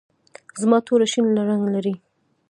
زما توره شین رنګ لري.